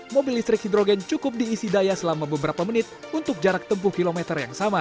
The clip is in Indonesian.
mobil listrik hidrogen cukup diisi daya selama beberapa menit untuk jarak tempuh kilometer yang sama